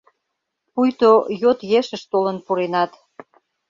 Пуйто йот ешыш толын пуренат.